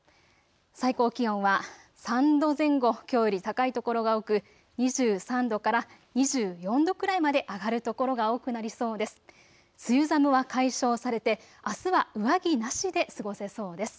最高気温は３度前後きょうより高い所が多く、２３度から２４度くらいまで上がる所が多くなりそうです。